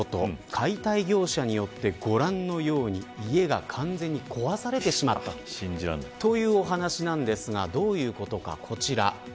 解体業者によってご覧のように家が完全に壊されてしまったというお話なんですがどういうことか、こちら。